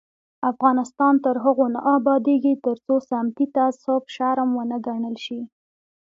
افغانستان تر هغو نه ابادیږي، ترڅو سمتي تعصب شرم ونه ګڼل شي.